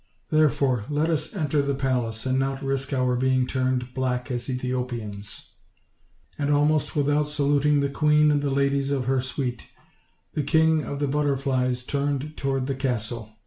Therefore, let us enter the palace, and not risk our being turned black as Ethio pians." With these words, and almost without saluting the queen and the ladies of her suite, the King of the But terflies turned toward the castle.